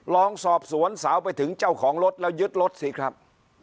ลองสอบสวนสาวไปถึงเจ้าของรถแล้วยึดรถสิครับ